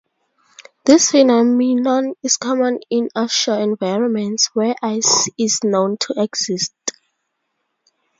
This phenomenon is common in offshore environments where ice is known to exist.